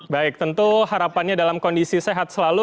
baik tentu harapannya dalam kondisi sehat selalu